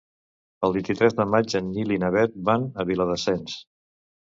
El vint-i-tres de maig en Nil i na Bet van a Viladasens.